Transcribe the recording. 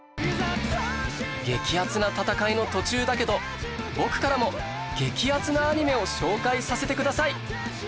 激アツな戦いの途中だけど僕からも激アツなアニメを紹介させてください